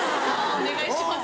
お願いします。